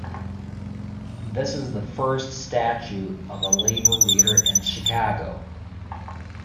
This is the first statue of a labor leader in Chicago.